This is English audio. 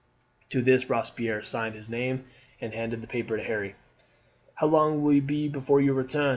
To this Robespierre signed his name and handed the paper to Harry. "How long will you be before you return?"